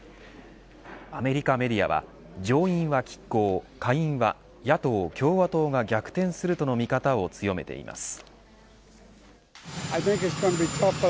アメリカメディアは上院は拮抗下院は野党、共和党が逆転するとの見方を強めています。